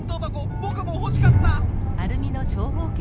僕も欲しかった！